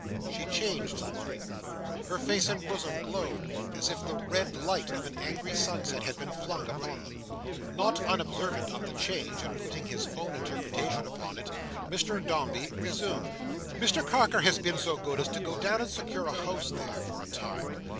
She changed suddenly. Her face and bosom glowed as if the red light of an angry sunset had been flung upon them. Not unobservant of the change, and putting his own interpretation upon it, Mr Dombey resumed: "Mr Carker has been so good as to go down and secure a house there, for a time.